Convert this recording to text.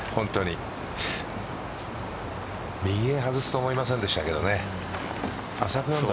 右へ外すと思いませんでしたけどね。